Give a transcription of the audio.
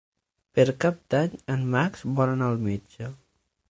Per Cap d'Any en Max vol anar al metge.